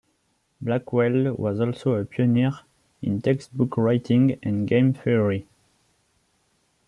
Blackwell was also a pioneer in textbook writing and game theory.